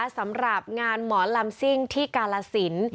สำหรับงานหมอลำซิ่งที่กาลสิน